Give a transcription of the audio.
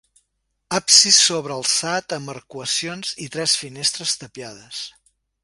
Absis sobrealçat amb arcuacions i tres finestres tapiades.